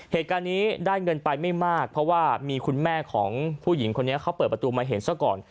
เหตุการณ์นี้ได้เงินไปไม่มากเพราะว่ามีคุณแม่ของผู้หญิงคนนี้เขาเปิดประตูมาเห็นซะก่อน